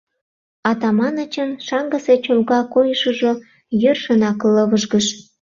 Атаманычын шаҥгысе чолга койышыжо йӧршынак лывыжгыш.